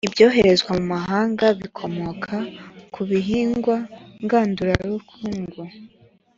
ibyoherezwa mu mahanga bikomoka kubihingwa ngandurabukungu.